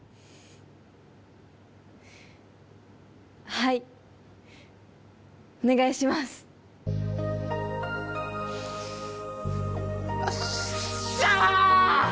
はいお願いしますよっしゃああ！！